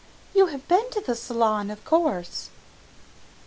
"You have been to the Salon, of course?"